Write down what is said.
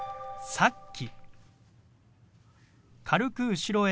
「さっき」。